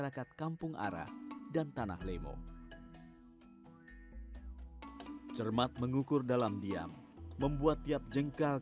di kampung tanah lemo dan ara hanya tersisa beberapa pan rita lopi